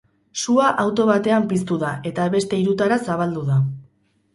Sua auto batean piztu da, eta beste hirutara zabaldu da.